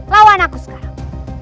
lawan aku sekarang